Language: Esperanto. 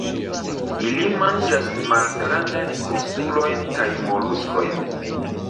Ili manĝas malgrandajn krustulojn kaj moluskojn.